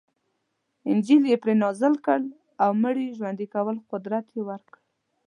انجیل یې پرې نازل کړ او مړي ژوندي کولو قدرت یې ورکړ.